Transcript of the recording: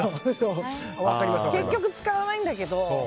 結局使わないんだけど。